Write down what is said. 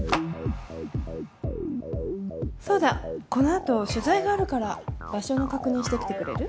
そうだこのあと取材があるから場所の確認してきてくれる？